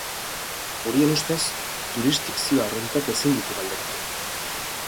Horien ustez, jurisdikzioa arruntak ezin ditu galdekatu.